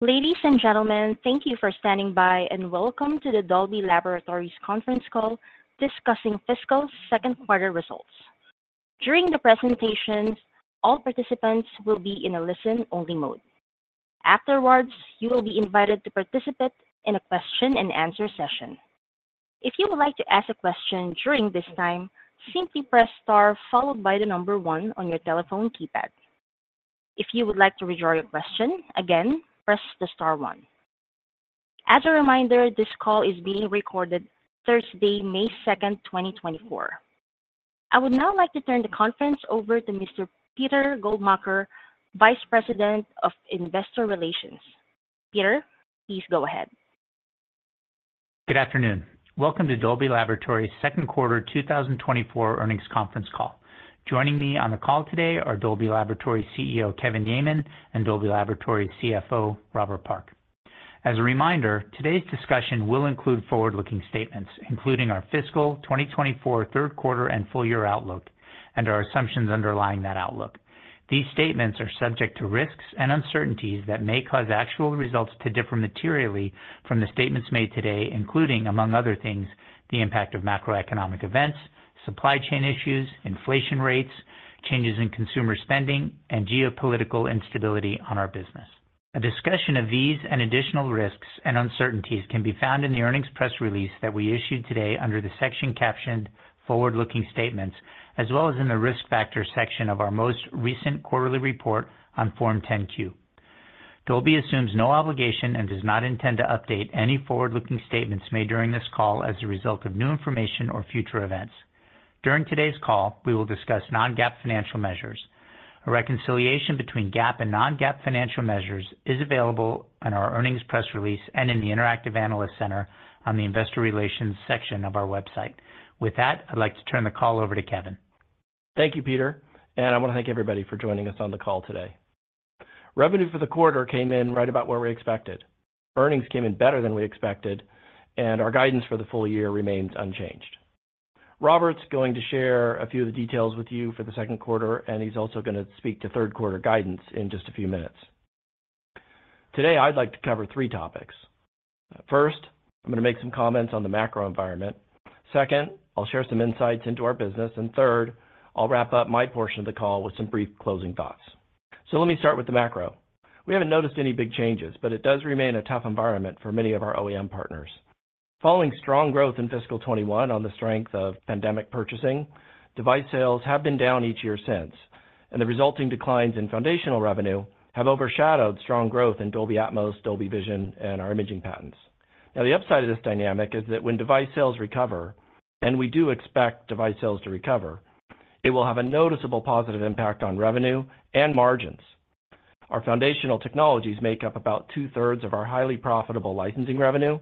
Ladies and gentlemen, thank you for standing by, and welcome to the Dolby Laboratories conference call discussing fiscal second quarter results. During the presentation, all participants will be in a listen-only mode. Afterwards, you will be invited to participate in a question-and-answer session. If you would like to ask a question during this time, simply press star followed by the number one on your telephone keypad. If you would like to withdraw your question, again, press the star one. As a reminder, this call is being recorded Thursday, May, 2nd, 2024. I would now like to turn the conference over to Mr. Peter Goldmacher, Vice President of Investor Relations. Peter, please go ahead. Good afternoon. Welcome to Dolby Laboratories' second quarter 2024 earnings conference call. Joining me on the call today are Dolby Laboratories' CEO, Kevin Yeaman, and Dolby Laboratories' CFO, Robert Park. As a reminder, today's discussion will include forward-looking statements, including our fiscal 2024 third quarter and full year outlook and our assumptions underlying that outlook. These statements are subject to risks and uncertainties that may cause actual results to differ materially from the statements made today, including, among other things, the impact of macroeconomic events, supply chain issues, inflation rates, changes in consumer spending, and geopolitical instability on our business. A discussion of these and additional risks and uncertainties can be found in the earnings press release that we issued today under the section captioned Forward-Looking Statements, as well as in the Risk Factors section of our most recent quarterly report on Form 10-Q. Dolby assumes no obligation and does not intend to update any forward-looking statements made during this call as a result of new information or future events. During today's call, we will discuss non-GAAP financial measures. A reconciliation between GAAP and non-GAAP financial measures is available on our earnings press release and in the Interactive Analyst Center on the Investor Relations section of our website. With that, I'd like to turn the call over to Kevin. Thank you, Peter, and I want to thank everybody for joining us on the call today. Revenue for the quarter came in right about where we expected. Earnings came in better than we expected, and our guidance for the full year remains unchanged. Robert's going to share a few of the details with you for the second quarter, and he's also gonna speak to third quarter guidance in just a few minutes. Today, I'd like to cover three topics. First, I'm gonna make some comments on the macro environment. Second, I'll share some insights into our business. And third, I'll wrap up my portion of the call with some brief closing thoughts. So let me start with the macro. We haven't noticed any big changes, but it does remain a tough environment for many of our OEM partners. Following strong growth in fiscal 2021 on the strength of pandemic purchasing, device sales have been down each year since, and the resulting declines in foundational revenue have overshadowed strong growth in Dolby Atmos, Dolby Vision, and our imaging patents. Now, the upside of this dynamic is that when device sales recover, and we do expect device sales to recover, it will have a noticeable positive impact on revenue and margins. Our foundational technologies make up about two-thirds of our highly profitable licensing revenue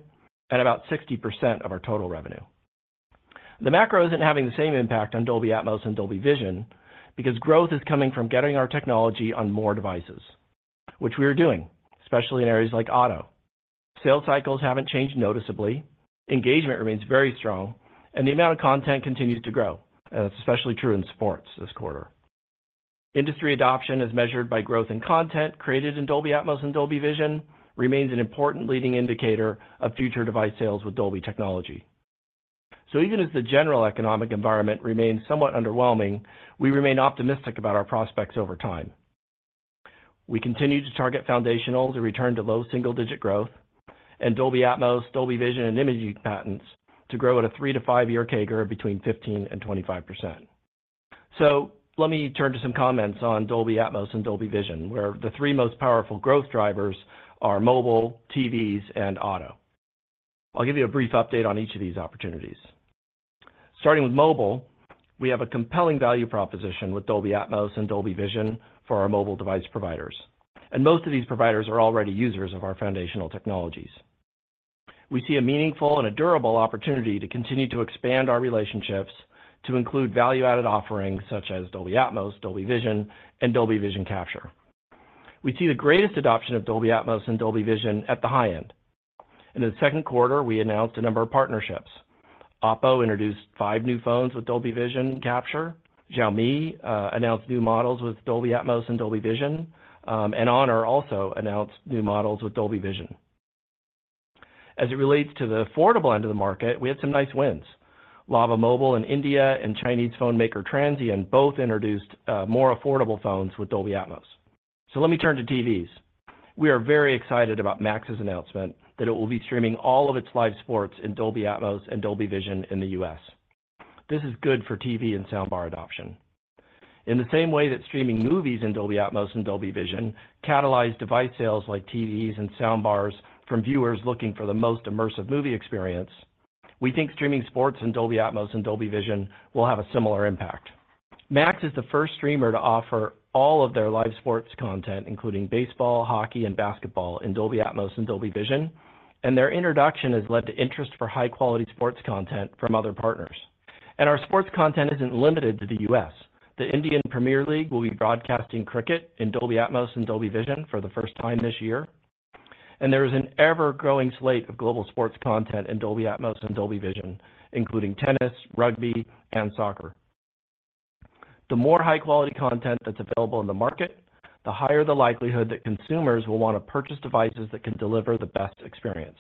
and about 60% of our total revenue. The macro isn't having the same impact on Dolby Atmos and Dolby Vision because growth is coming from getting our technology on more devices, which we are doing, especially in areas like auto. Sales cycles haven't changed noticeably, engagement remains very strong, and the amount of content continues to grow. It's especially true in sports this quarter. Industry adoption is measured by growth in content created in Dolby Atmos and Dolby Vision. It remains an important leading indicator of future device sales with Dolby technology. So even as the general economic environment remains somewhat underwhelming, we remain optimistic about our prospects over time. We continue to target foundational to return to low single-digit growth and Dolby Atmos, Dolby Vision, and imaging patents to grow at a three-five-year CAGR between 15% and 25%. So let me turn to some comments on Dolby Atmos and Dolby Vision, where the three most powerful growth drivers are mobile, TVs, and auto. I'll give you a brief update on each of these opportunities. Starting with mobile, we have a compelling value proposition with Dolby Atmos and Dolby Vision for our mobile device providers, and most of these providers are already users of our foundational technologies. We see a meaningful and a durable opportunity to continue to expand our relationships to include value-added offerings such as Dolby Atmos, Dolby Vision, and Dolby Vision capture. We see the greatest adoption of Dolby Atmos and Dolby Vision at the high end. In the second quarter, we announced a number of partnerships. Oppo introduced five new phones with Dolby Vision capture. Xiaomi announced new models with Dolby Atmos and Dolby Vision, and Honor also announced new models with Dolby Vision. As it relates to the affordable end of the market, we had some nice wins. Lava Mobile in India and Chinese phone maker, Transsion, both introduced more affordable phones with Dolby Atmos. Let me turn to TVs. We are very excited about Max's announcement that it will be streaming all of its live sports in Dolby Atmos and Dolby Vision in the U.S. This is good for TV and soundbar adoption. In the same way that streaming movies in Dolby Atmos and Dolby Vision catalyze device sales like TVs and soundbars from viewers looking for the most immersive movie experience, we think streaming sports in Dolby Atmos and Dolby Vision will have a similar impact. Max is the first streamer to offer all of their live sports content, including baseball, hockey, and basketball, in Dolby Atmos and Dolby Vision, and their introduction has led to interest for high-quality sports content from other partners. Our sports content isn't limited to the U.S. The Indian Premier League will be broadcasting cricket in Dolby Atmos and Dolby Vision for the first time this year, and there is an ever-growing slate of global sports content in Dolby Atmos and Dolby Vision, including tennis, rugby, and soccer. The more high-quality content that's available in the market, the higher the likelihood that consumers will want to purchase devices that can deliver the best experience.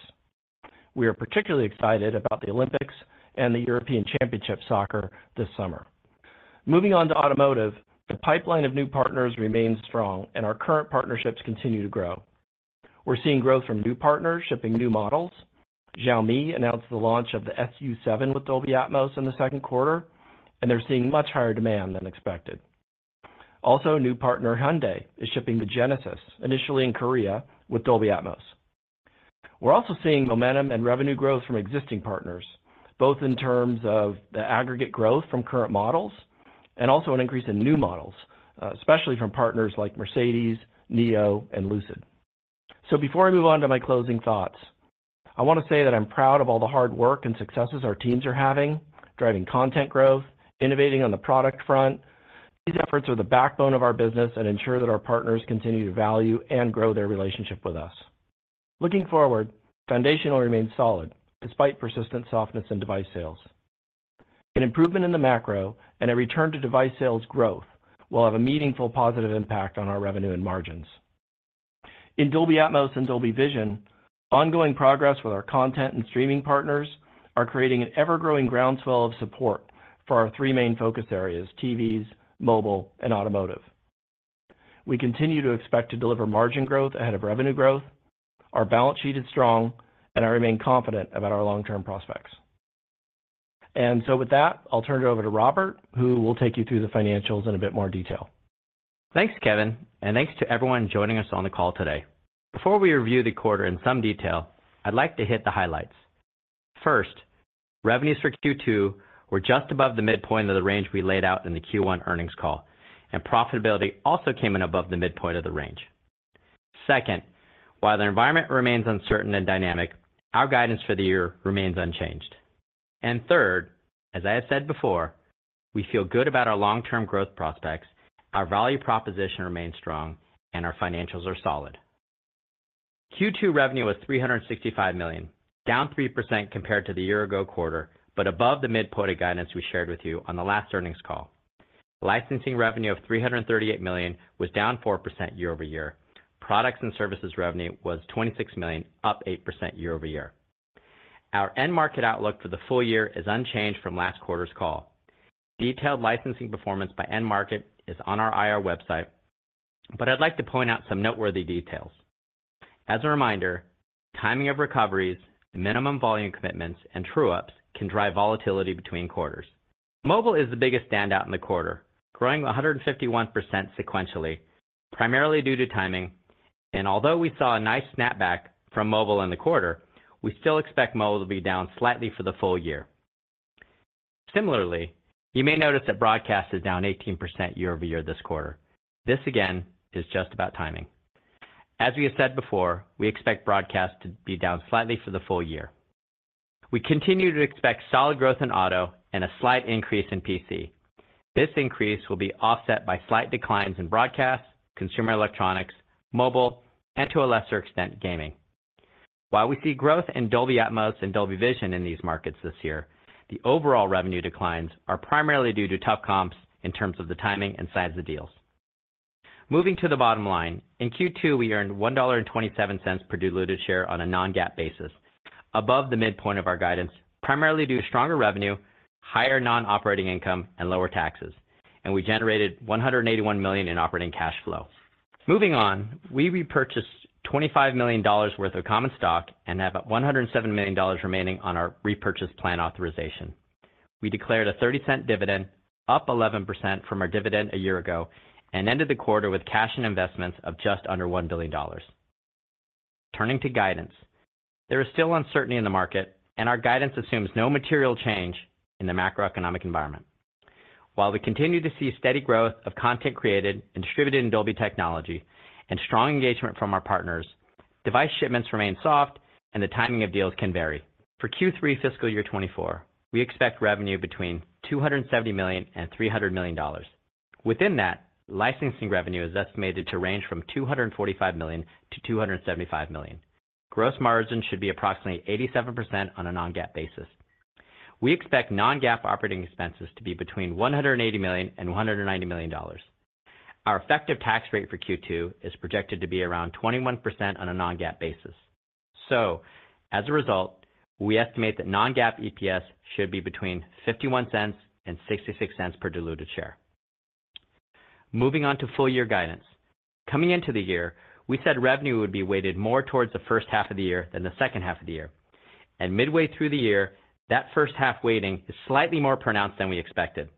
We are particularly excited about the Olympics and the European Championship soccer this summer. Moving on to automotive, the pipeline of new partners remains strong, and our current partnerships continue to grow. We're seeing growth from new partners shipping new models. Xiaomi announced the launch of the SU7 with Dolby Atmos in the second quarter, and they're seeing much higher demand than expected. Also, new partner Hyundai is shipping the Genesis, initially in Korea, with Dolby Atmos. We're also seeing momentum and revenue growth from existing partners, both in terms of the aggregate growth from current models and also an increase in new models, especially from partners like Mercedes, NIO, and Lucid. So before I move on to my closing thoughts, I want to say that I'm proud of all the hard work and successes our teams are having, driving content growth, innovating on the product front. These efforts are the backbone of our business and ensure that our partners continue to value and grow their relationship with us. Looking forward, foundation will remain solid despite persistent softness in device sales. An improvement in the macro and a return to device sales growth will have a meaningful positive impact on our revenue and margins. In Dolby Atmos and Dolby Vision, ongoing progress with our content and streaming partners are creating an ever-growing groundswell of support for our three main focus areas: TVs, mobile, and automotive. We continue to expect to deliver margin growth ahead of revenue growth, our balance sheet is strong, and I remain confident about our long-term prospects. And so with that, I'll turn it over to Robert, who will take you through the financials in a bit more detail. Thanks, Kevin, and thanks to everyone joining us on the call today. Before we review the quarter in some detail, I'd like to hit the highlights. First, revenues for Q2 were just above the midpoint of the range we laid out in the Q1 earnings call, and profitability also came in above the midpoint of the range. Second, while the environment remains uncertain and dynamic, our guidance for the year remains unchanged. And third, as I have said before, we feel good about our long-term growth prospects, our value proposition remains strong, and our financials are solid. Q2 revenue was $365 million, down 3% compared to the year-ago quarter, but above the midpoint of guidance we shared with you on the last earnings call. Licensing revenue of $338 million was down 4% year-over-year. Products and services revenue was $26 million, up 8% year-over-year. Our end market outlook for the full year is unchanged from last quarter's call. Detailed licensing performance by end market is on our IR website, but I'd like to point out some noteworthy details. As a reminder, timing of recoveries, minimum volume commitments, and true-ups can drive volatility between quarters. Mobile is the biggest standout in the quarter, growing 151% sequentially, primarily due to timing, and although we saw a nice snapback from mobile in the quarter, we still expect mobile to be down slightly for the full year. Similarly, you may notice that broadcast is down 18% year-over-year this quarter. This, again, is just about timing. As we have said before, we expect broadcast to be down slightly for the full year. We continue to expect solid growth in auto and a slight increase in PC. This increase will be offset by slight declines in broadcast, consumer electronics, mobile, and to a lesser extent, gaming. While we see growth in Dolby Atmos and Dolby Vision in these markets this year, the overall revenue declines are primarily due to tough comps in terms of the timing and size of the deals. Moving to the bottom line, in Q2, we earned $1.27 per diluted share on a non-GAAP basis, above the midpoint of our guidance, primarily due to stronger revenue, higher non-operating income, and lower taxes, and we generated $181 million in operating cash flow. Moving on, we repurchased $25 million worth of common stock and have $107 million remaining on our repurchase plan authorization. We declared a $0.30 dividend, up 11% from our dividend a year ago, and ended the quarter with cash and investments of just under $1 billion. Turning to guidance, there is still uncertainty in the market, and our guidance assumes no material change in the macroeconomic environment. While we continue to see steady growth of content created and distributed in Dolby technology and strong engagement from our partners, device shipments remain soft, and the timing of deals can vary. For Q3 fiscal year 2024, we expect revenue between $270 million and $300 million. Within that, licensing revenue is estimated to range from $245 million-$275 million. Gross margin should be approximately 87% on a non-GAAP basis. We expect non-GAAP operating expenses to be between $180 million and $190 million. Our effective tax rate for Q2 is projected to be around 21% on a non-GAAP basis. So as a result, we estimate that non-GAAP EPS should be between $0.51 and $0.66 per diluted share. Moving on to full year guidance. Coming into the year, we said revenue would be weighted more towards the first half of the year than the second half of the year, and midway through the year, that first half weighting is slightly more pronounced than we expected.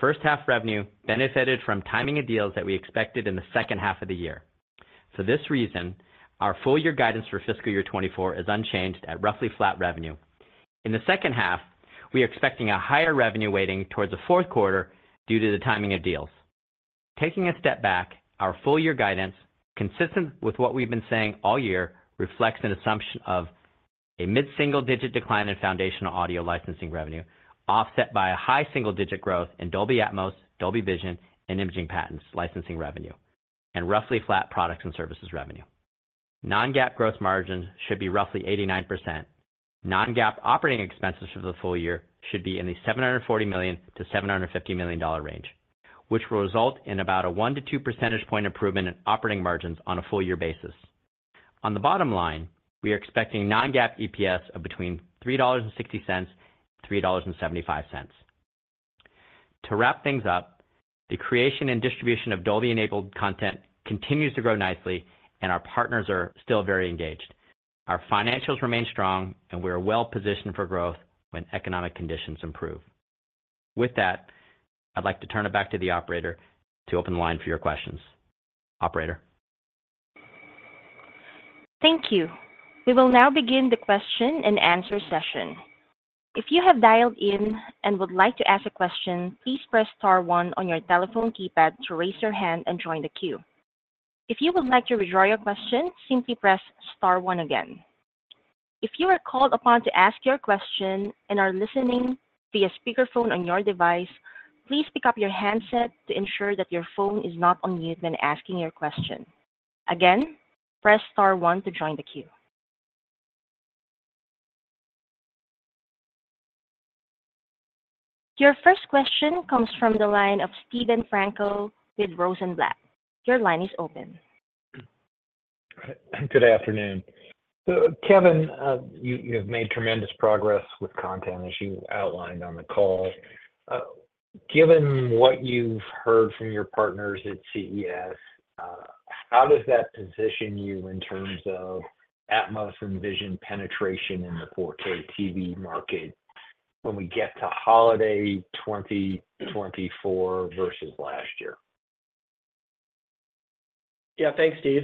First half revenue benefited from timing of deals that we expected in the second half of the year. For this reason, our full year guidance for fiscal year 2024 is unchanged at roughly flat revenue. In the second half, we are expecting a higher revenue weighting towards the fourth quarter due to the timing of deals. Taking a step back, our full-year guidance, consistent with what we've been saying all year, reflects an assumption of a mid-single-digit decline in foundational audio licensing revenue, offset by a high single-digit growth in Dolby Atmos, Dolby Vision, and imaging patents licensing revenue, and roughly flat products and services revenue.... Non-GAAP gross margins should be roughly 89%. Non-GAAP operating expenses for the full year should be in the $740 million-$750 million range, which will result in about a 1-2 percentage point improvement in operating margins on a full year basis. On the bottom line, we are expecting non-GAAP EPS of between $3.60-$3.75. To wrap things up, the creation and distribution of Dolby-enabled content continues to grow nicely, and our partners are still very engaged. Our financials remain strong, and we are well-positioned for growth when economic conditions improve. With that, I'd like to turn it back to the operator to open the line for your questions. Operator? Thank you. We will now begin the question-and-answer session. If you have dialed in and would like to ask a question, please press star one on your telephone keypad to raise your hand and join the queue. If you would like to withdraw your question, simply press star one again. If you are called upon to ask your question and are listening via speakerphone on your device, please pick up your handset to ensure that your phone is not on mute when asking your question. Again, press star one to join the queue. Your first question comes from the line of Steven Frankel with Rosenblatt. Your line is open. Good afternoon. So, Kevin, you have made tremendous progress with content, as you outlined on the call. Given what you've heard from your partners at CES, how does that position you in terms of Atmos and Vision penetration in the 4K TV market when we get to holiday 2024 versus last year? Yeah, thanks, Steve.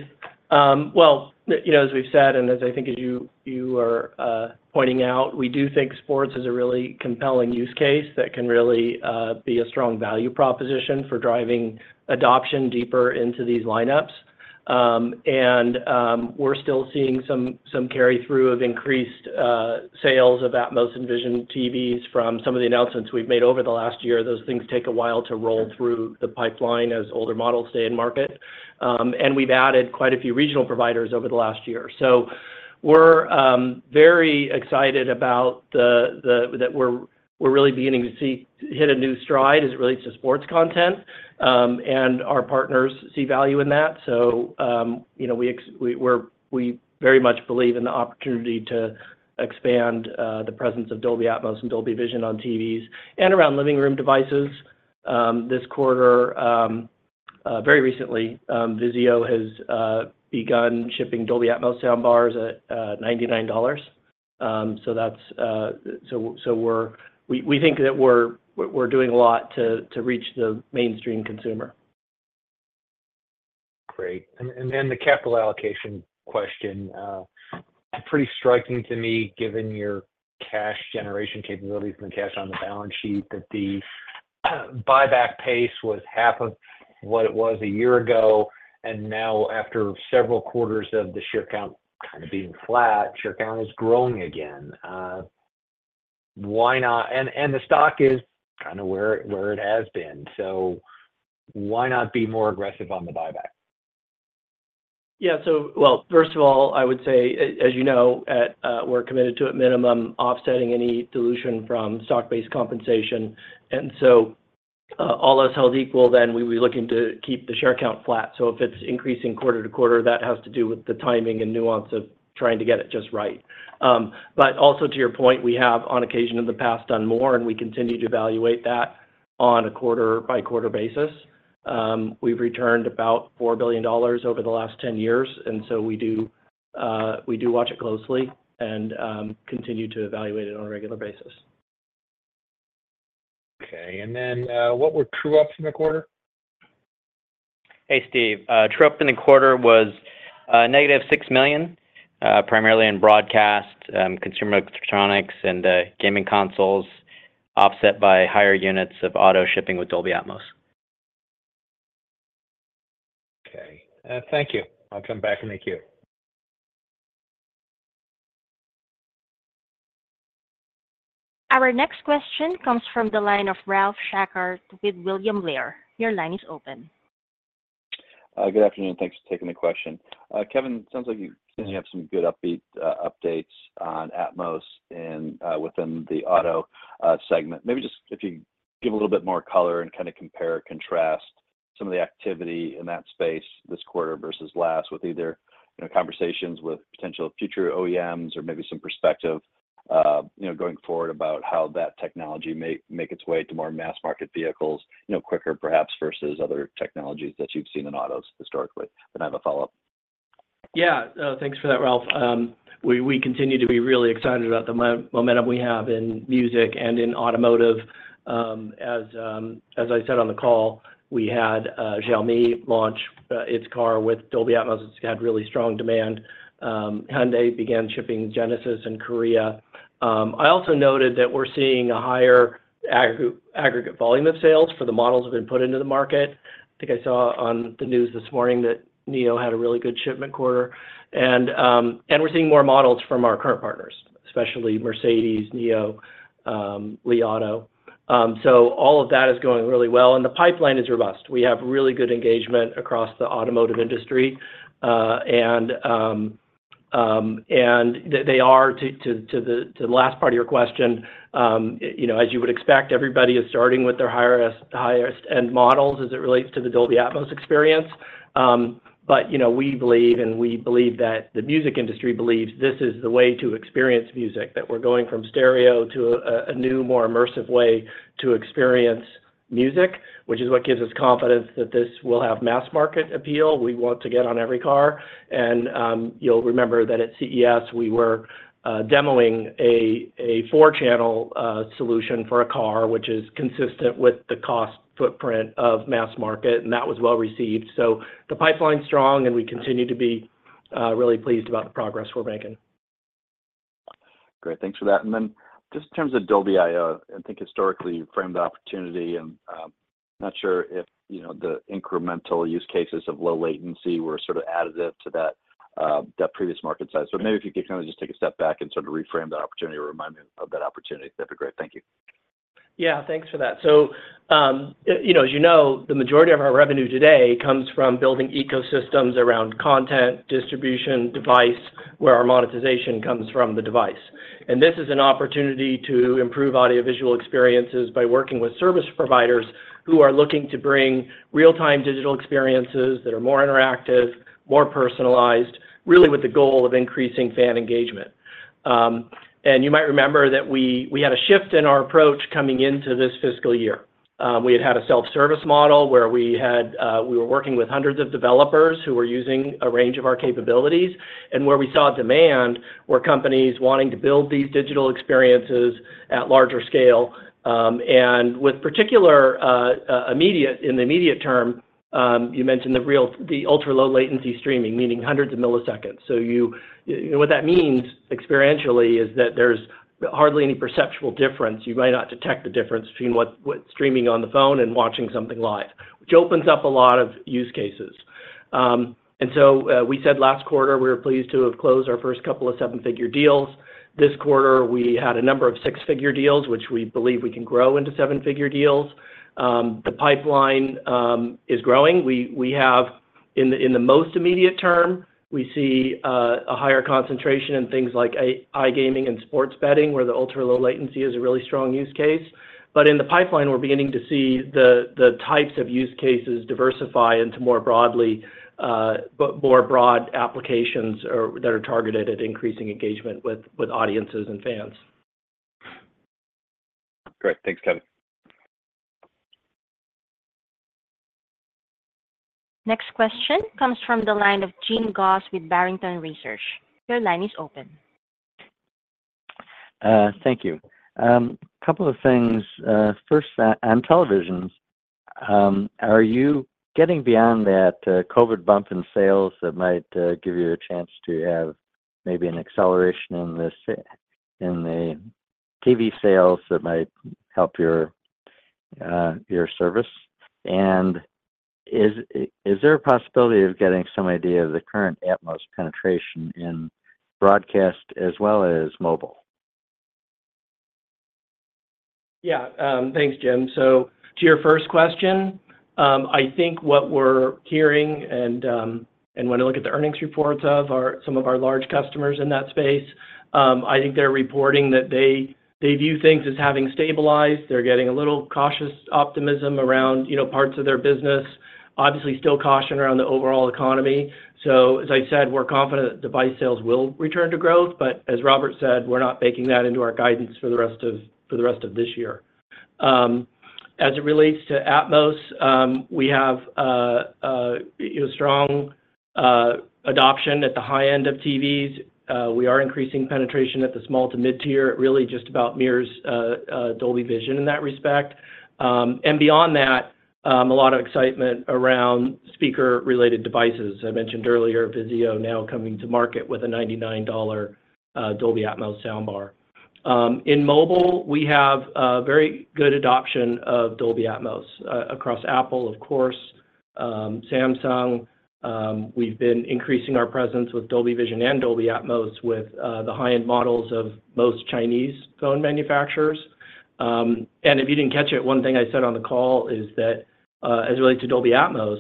Well, you know, as we've said, and as I think as you are pointing out, we do think sports is a really compelling use case that can really be a strong value proposition for driving adoption deeper into these lineups. And we're still seeing some carry-through of increased sales of Atmos and Vision TVs from some of the announcements we've made over the last year. Those things take a while to roll through the pipeline as older models stay in market. And we've added quite a few regional providers over the last year. So we're very excited about that we're really beginning to see hit a new stride as it relates to sports content, and our partners see value in that. So, you know, we very much believe in the opportunity to expand the presence of Dolby Atmos and Dolby Vision on TVs and around living room devices. This quarter, very recently, Vizio has begun shipping Dolby Atmos sound bars at $99. So that's so we think that we're doing a lot to reach the mainstream consumer. Great. And then the capital allocation question. Pretty striking to me, given your cash generation capabilities and the cash on the balance sheet, that the buyback pace was half of what it was a year ago, and now after several quarters of the share count kind of being flat, share count is growing again. Why not? And the stock is kind of where it has been, so why not be more aggressive on the buyback? Yeah. So well, first of all, I would say, as, as you know, at, we're committed to, at minimum, offsetting any dilution from stock-based compensation. And so, all else held equal, then we'd be looking to keep the share count flat. So if it's increasing quarter-to-quarter, that has to do with the timing and nuance of trying to get it just right. But also to your point, we have, on occasion, in the past, done more, and we continue to evaluate that on a quarter-by-quarter basis. We've returned about $4 billion over the last 10 years, and so we do, we do watch it closely and, continue to evaluate it on a regular basis. Okay. And then, what were true-ups in the quarter? Hey, Steve. True-up in the quarter was -$6 million, primarily in broadcast, consumer electronics and gaming consoles, offset by higher units of auto shipping with Dolby Atmos. Okay. Thank you. I'll come back in the queue. Our next question comes from the line of Ralph Schackart with William Blair. Your line is open. Good afternoon. Thanks for taking the question. Kevin, sounds like you have some good upbeat updates on Atmos and within the auto segment. Maybe just if you give a little bit more color and kinda compare or contrast some of the activity in that space this quarter versus last, with either, you know, conversations with potential future OEMs or maybe some perspective, you know, going forward about how that technology may make its way to more mass market vehicles, you know, quicker perhaps, versus other technologies that you've seen in autos historically. Then I have a follow-up. Yeah. Thanks for that, Ralph. We continue to be really excited about the momentum we have in music and in automotive. As I said on the call, we had Xiaomi launch its car with Dolby Atmos. It's had really strong demand. Hyundai began shipping Genesis in Korea. I also noted that we're seeing a higher aggregate volume of sales for the models that have been put into the market. I think I saw on the news this morning that NIO had a really good shipment quarter, and we're seeing more models from our current partners, especially Mercedes, NIO, Li Auto. So all of that is going really well, and the pipeline is robust. We have really good engagement across the automotive industry. And they are to the last part of your question, you know, as you would expect, everybody is starting with their highest-end models as it relates to the Dolby Atmos experience. But, you know, we believe, and we believe that the music industry believes this is the way to experience music, that we're going from stereo to a new, more immersive way to experience music, which is what gives us confidence that this will have mass market appeal. We want to get on every car. And you'll remember that at CES, we were demoing a four-channel solution for a car, which is consistent with the cost footprint of mass market, and that was well-received. So the pipeline's strong, and we continue to be really pleased about the progress we're making. Great, thanks for that. And then just in terms of Dolby.io, I think historically you framed the opportunity, and, not sure if, you know, the incremental use cases of low latency were sort of additive to that, that previous market size. So maybe if you could kind of just take a step back and sort of reframe that opportunity or remind me of that opportunity, that'd be great. Thank you. Yeah, thanks for that. So, you know, as you know, the majority of our revenue today comes from building ecosystems around content, distribution, device, where our monetization comes from the device. And this is an opportunity to improve audiovisual experiences by working with service providers who are looking to bring real-time digital experiences that are more interactive, more personalized, really with the goal of increasing fan engagement. And you might remember that we had a shift in our approach coming into this fiscal year. We had had a self-service model, where we were working with hundreds of developers who were using a range of our capabilities, and where we saw demand, were companies wanting to build these digital experiences at larger scale. And in the immediate term, you mentioned the ultra-low latency streaming, meaning hundreds of milliseconds. So you know, what that means experientially is that there's hardly any perceptual difference. You might not detect the difference between streaming on the phone and watching something live, which opens up a lot of use cases. And so we said last quarter, we were pleased to have closed our first couple of seven-figure deals. This quarter, we had a number of six-figure deals, which we believe we can grow into seven-figure deals. The pipeline is growing. We have in the most immediate term, we see a higher concentration in things like iGaming and sports betting, where the ultra-low latency is a really strong use case. But in the pipeline, we're beginning to see the types of use cases diversify into more broad applications or that are targeted at increasing engagement with audiences and fans. Great. Thanks, Kevin. Next question comes from the line of Jim Goss with Barrington Research. Your line is open. Thank you. Couple of things. First, on televisions, are you getting beyond that COVID bump in sales that might give you a chance to have maybe an acceleration in the TV sales that might help your service? And is there a possibility of getting some idea of the current Atmos penetration in broadcast as well as mobile? Yeah. Thanks, Jim. So to your first question, I think what we're hearing, and when I look at the earnings reports of some of our large customers in that space, I think they're reporting that they view things as having stabilized. They're getting a little cautious optimism around, you know, parts of their business. Obviously, still caution around the overall economy. So as I said, we're confident that device sales will return to growth, but as Robert said, we're not baking that into our guidance for the rest of this year. As it relates to Atmos, we have, you know, strong adoption at the high end of TVs. We are increasing penetration at the small to mid-tier. It really just about mirrors Dolby Vision in that respect. And beyond that, a lot of excitement around speaker-related devices. I mentioned earlier, Vizio now coming to market with a $99 Dolby Atmos soundbar. In mobile, we have very good adoption of Dolby Atmos across Apple, of course, Samsung. We've been increasing our presence with Dolby Vision and Dolby Atmos with the high-end models of most Chinese phone manufacturers. And if you didn't catch it, one thing I said on the call is that, as it relates to Dolby Atmos,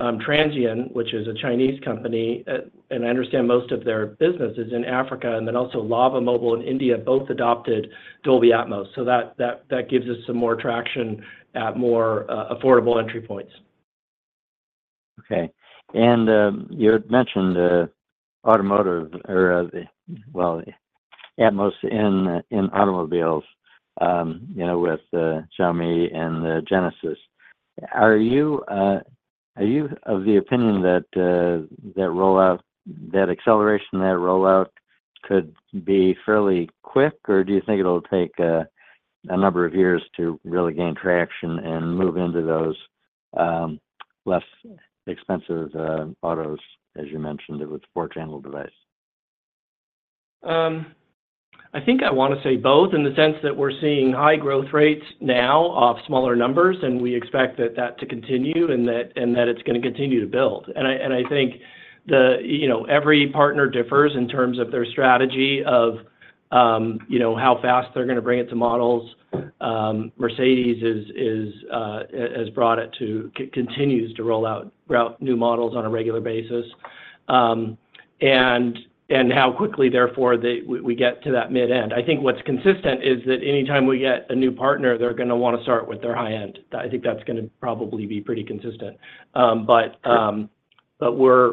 Transsion, which is a Chinese company, and I understand most of their business is in Africa, and then also Lava Mobile in India, both adopted Dolby Atmos, so that gives us some more traction at more affordable entry points. Okay. And you had mentioned automotive, or well, Atmos in automobiles, you know, with the Xiaomi and the Genesis. Are you are you of the opinion that that rollout, that acceleration, that rollout could be fairly quick, or do you think it'll take a number of years to really gain traction and move into those less expensive autos, as you mentioned, with four-channel device? I think I wanna say both, in the sense that we're seeing high growth rates now of smaller numbers, and we expect that to continue, and that it's gonna continue to build. And I think the... you know, every partner differs in terms of their strategy of, you know, how fast they're gonna bring it to models. Mercedes has brought it to, continues to roll out new models on a regular basis. And how quickly, therefore, we get to that mid-end. I think what's consistent is that anytime we get a new partner, they're gonna wanna start with their high end. I think that's gonna probably be pretty consistent. But, Sure... but we're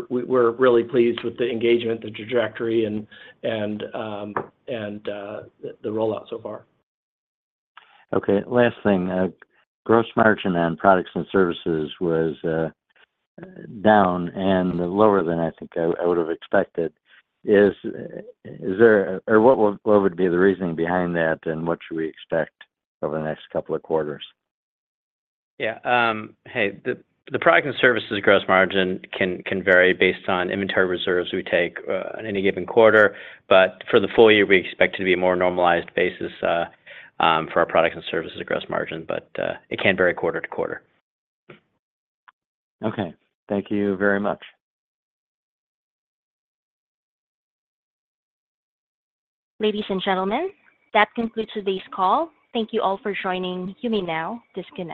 really pleased with the engagement, the trajectory, and the rollout so far. Okay, last thing. Gross margin on products and services was down and lower than I think I would have expected. Is there... or what would be the reasoning behind that, and what should we expect over the next couple of quarters? Yeah. The product and services gross margin can vary based on inventory reserves we take on any given quarter, but for the full year, we expect it to be a more normalized basis for our products and services gross margin, but it can vary quarter to quarter. Okay. Thank you very much. Ladies and gentlemen, that concludes today's call. Thank you all for joining. You may now disconnect.